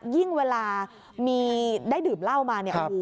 ยิ่งเวลาได้ดื่มเล่ามาเนี่ย